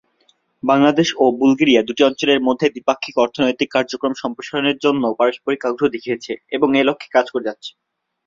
বাংলাদেশ ও বুলগেরিয়া দুটি অঞ্চলের মধ্যে দ্বিপাক্ষিক অর্থনৈতিক কার্যক্রম সম্প্রসারণের জন্য পারস্পরিক আগ্রহ দেখিয়েছে এবং এ লক্ষ্যে কাজ করে যাচ্ছে।